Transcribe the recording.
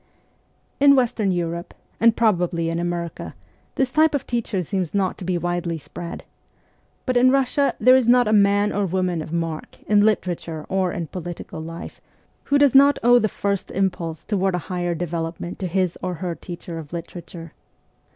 In western Europe, and probably in America, this type of teacher seems not to be widely spread; but in Russia there is not a man or woman of mark, in literature or in political life, who does not owe the first impulse toward a higher development to his or her teacher of literature.